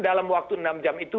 dalam waktu enam jam itu